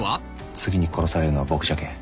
「次に殺されるのは僕じゃけん」